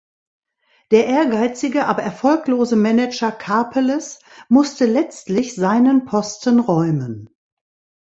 Der ehrgeizige aber erfolglose Manager Karpeles musste letztlich seinen Posten räumen.